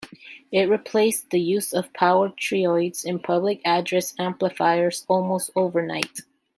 It replaced the use of power triodes in public-address amplifiers almost overnight.